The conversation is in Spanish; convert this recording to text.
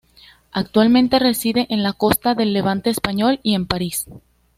Actualmente reside en la costa del Levante español y en París.